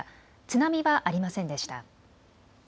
津波はありませんでした。